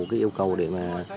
cái yêu cầu để mà